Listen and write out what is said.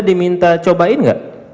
diminta cobain gak